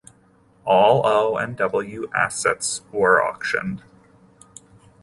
All O and W assets were auctioned.